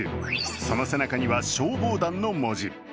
その背中には、消防団の文字。